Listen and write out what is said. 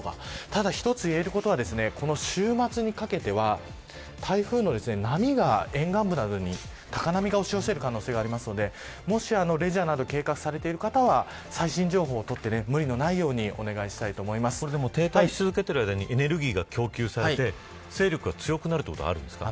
ただ一つ言えるのはこの週末にかけては台風の波が沿岸部などに高波が押し寄せる可能性がありますのでもし、レジャーなどを計画されている方は最新情報を取って停滞し続けている間にエネルギーが供給されて勢力が強まることあるんですか。